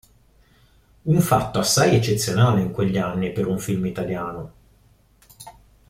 Un fatto assai eccezionale in quegli anni per un film italiano.